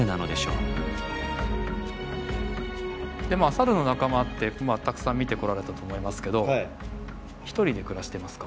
サルの仲間ってたくさん見てこられたと思いますけどひとりで暮らしてますか？